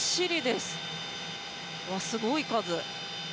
すごい数。